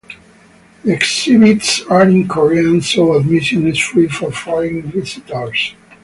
The exhibits are in Korean so admission is free for foreign visitors.